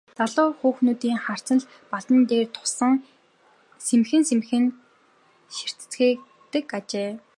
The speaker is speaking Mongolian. Залуу хүүхнүүдийн харц ч Балдан дээр л тусан сэмхэн сэмхэн ширтэцгээдэг ажээ.